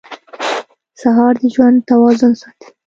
سهار د ژوند توازن ساتي.